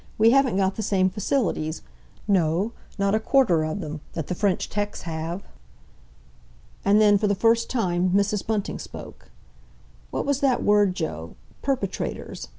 We haven't got the same facilities—no, not a quarter of them—that the French 'tecs have." And then, for the first time, Mrs. Bunting spoke: "What was that word, Joe—'perpetrators'?